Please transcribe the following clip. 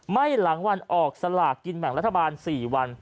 หลังวันออกสลากกินแบ่งรัฐบาล๔วัน